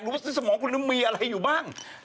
หรือว่าสมองคุณมีอะไรอยู่บ้าง